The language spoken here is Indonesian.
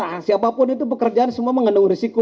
jadi kita siapapun itu pekerjaan semua mengandung risiko